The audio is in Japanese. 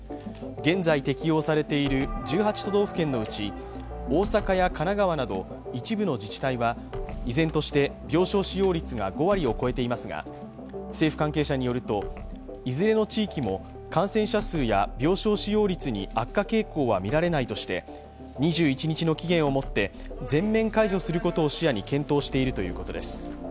現在、適用されている１８都道府県のうち大阪や神奈川など一部の自治体は依然として病床使用率が５割を超えていますが政府関係者によるといずれの地域も感染者数や病床使用率に悪化傾向は見られないとして２１日の期限をもって全面解除することを視野に検討しているということです。